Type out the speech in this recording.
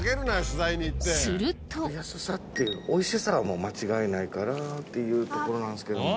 するとおいしさは間違いないからっていうところなんですけども。